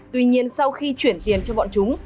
tuy nhiên sau khi chuyển tiền cho bọn chúng